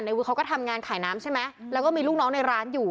วิทย์เขาก็ทำงานขายน้ำใช่ไหมแล้วก็มีลูกน้องในร้านอยู่